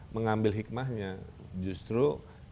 mengambil hikmahnya justru